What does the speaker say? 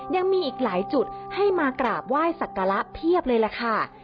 ยังมีอีกหลายจุดให้มากราบไหว้สักการะเพียบเลยล่ะค่ะ